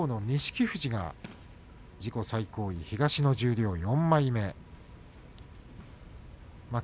富士は自己最高位東の十両４枚目。